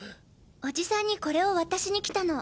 おじさんにこれを渡しに来たの。